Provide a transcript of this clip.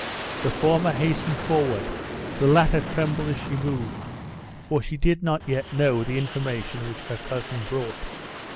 The former hastened forward, the latter trembled as she moved, for she did not yet know the information which her cousin brought.